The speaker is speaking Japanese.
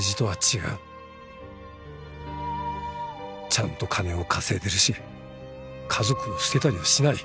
ちゃんと金を稼いでるし家族を捨てたりはしない